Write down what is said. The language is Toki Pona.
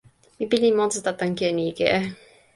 mi pilin monsuta tan ken ike.